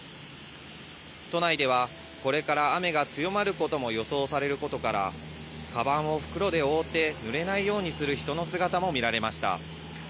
都内では、これから雨が強まることも予想されることから、かばんを袋で覆ってぬれないようにする人の姿も見られました。